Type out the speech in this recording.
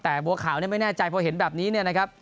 แต่บัวขาวไม่แน่ใจเย็นแบบนี้เนี่ยนะครับ